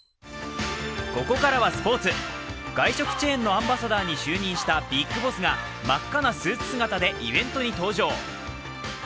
ここからはスポーツ外食チェーンのアンバサダーに就任したビッグボスが真っ赤なスーツ姿でイベントに登場。